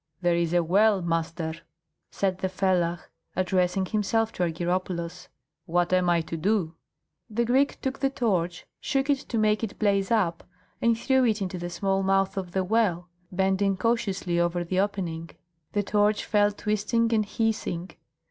"There is a well, master," said the fellah, addressing himself to Argyropoulos; "what am I to do?" The Greek took the torch, shook it to make it blaze up, and threw it into the small mouth of the well, bending cautiously over the opening. The torch fell, twisting and hissing.